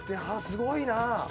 すごいな。